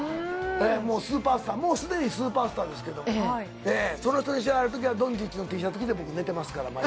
もうスーパースター、もうすでにスーパースターですけれども、その人の試合あるときは、ドンチッチのＴシャツ着て、僕寝てます